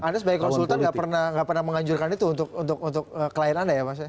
anda sebagai konsultan tidak pernah menganjurkan itu untuk klien anda ya